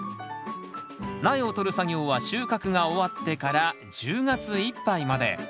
苗を取る作業は収穫が終わってから１０月いっぱいまで。